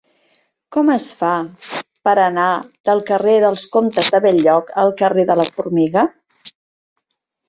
Com es fa per anar del carrer dels Comtes de Bell-lloc al carrer de la Formiga?